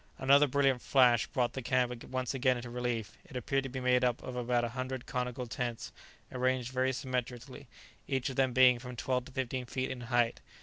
Another brilliant flash brought the camp once again into relief; it appeared to be made up of about a hundred conical tents, arranged very symmetrically, each of them being from twelve to fifteen feet in height.